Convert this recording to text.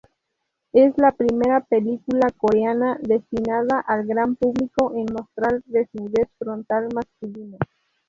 Es la primera película coreana destinada al gran público en mostrar desnudez frontal masculina.